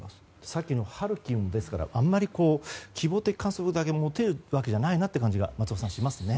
先のハルキウも、ですからあんまり、希望的観測だけを持てるわけじゃないなという感じが、松尾さん、しますね。